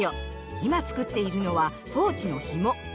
今作っているのはポーチのひも。